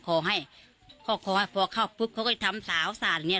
ค้อก็พอเข้าที่ทำสาวสารเนี้ย